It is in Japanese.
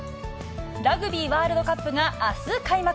ラグビーワールドカップが、あす開幕。